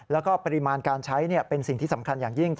แล้วก็ปริมาณการใช้เป็นสิ่งที่สำคัญอย่างยิ่ง